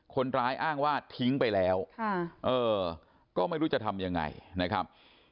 คนร้ายอ้างว่าทิ้งไปแล้วก็ไม่รู้จะทำยังไงนะครับ